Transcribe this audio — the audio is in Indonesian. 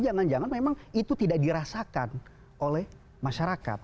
jangan jangan memang itu tidak dirasakan oleh masyarakat